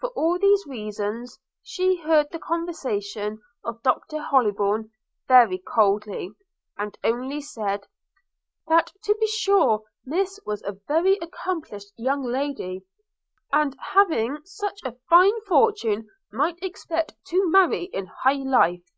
For all these reasons she heard the conversation of Doctor Hollybourn very coldly, and only said, 'that to be sure Miss was a very accomplished young lady; and, having such a fine fortune, might expect to marry in high life.'